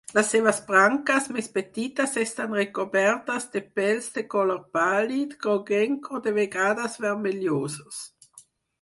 Les seves branques més petites estan recobertes de pèls de color pàl·lid, groguenc, o de vegades vermellosos.